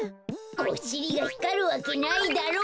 おしりがひかるわけないだろう。